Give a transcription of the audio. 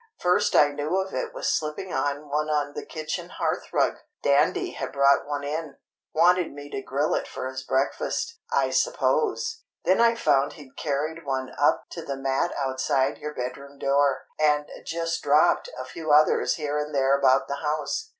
First I knew of it was slipping on one on the kitchen hearthrug. Dandie had brought one in—wanted me to grill it for his breakfast, I suppose! Then I found he'd carried one up to the mat outside your bedroom door, and just dropped a few others here and there about the house.